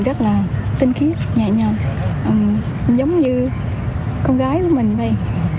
rất là tinh khiết nhẹ nhàng giống như con gái của mình vậy